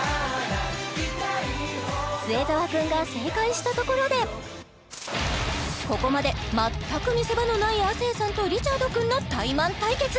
末澤くんが正解したところでここまで全く見せ場のない亜生さんとリチャードくんのタイマン対決！